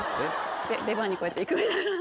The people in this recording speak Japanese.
で出番にこうやって行くみたいな。